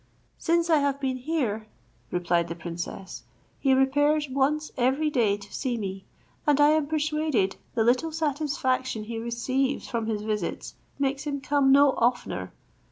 "Since I have been here," replied the princess, "he repairs once every day to see me; and I am persuaded the little satisfaction he receives from his visits makes him come no oftener.